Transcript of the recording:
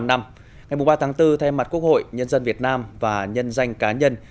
ngày ba tháng bốn thay mặt quốc hội nhân dân việt nam và nhân danh cá nhân